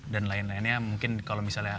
dan lain lainnya mungkin kalau misalnya